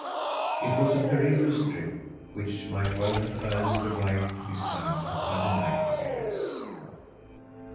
It was a perilous trip, which might well have earned the right to be sung by the nightingales.